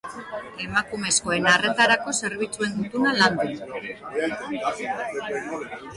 Emakumezkoen arretarako zerbitzuen gutuna landu.